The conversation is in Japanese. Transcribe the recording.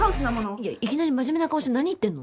いやいきなり真面目な顔して何言ってんの？